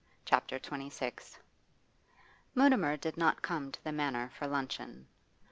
CHAPTER XXVI Mutimer did not come to the Manor for luncheon.